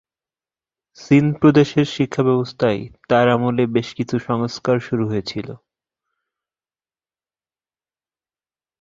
সিন্ধ প্রদেশের শিক্ষাব্যবস্থায় তাঁর আমলে বেশ কিছু সংস্কার শুরু হয়েছিল।